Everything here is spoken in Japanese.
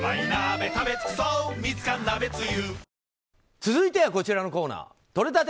続いてはこちらのコーナーとれたて！